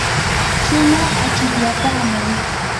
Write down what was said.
shumaq achikyapaamay.